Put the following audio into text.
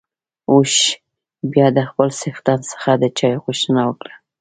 اوښ بيا د خپل څښتن څخه د چای غوښتنه وکړه.